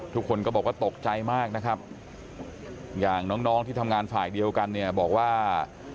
ทุกคนก็บอกว่าตกใจมากนะครับอย่างน้องที่ทำงานฝ่ายเดียวกันเนี่ยบอกว่า